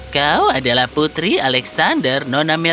kau adalah putri alexander nonamel